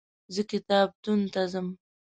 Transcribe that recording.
زه کتابتون ته ځم.